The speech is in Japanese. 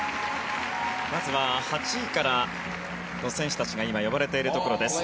まずは８位からの選手たちが呼ばれているところです。